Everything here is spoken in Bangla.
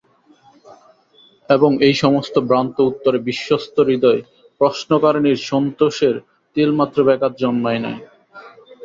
এবং এই সমস্ত ভ্রান্ত উত্তরে বিশ্বস্তহৃদয় প্রশ্নকারিণীর সন্তোষের তিলমাত্র ব্যাঘাত জন্মায় নাই।